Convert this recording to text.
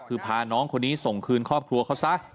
คือพาน้องคนนี้ส่งคืนครอบครัวเขาซะ